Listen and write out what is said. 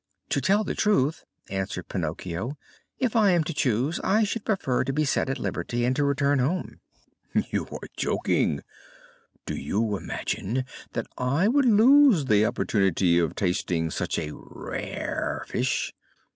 "To tell the truth," answered Pinocchio, "if I am to choose, I should prefer to be set at liberty and to return home." "You are joking! Do you imagine that I would lose the opportunity of tasting such a rare fish?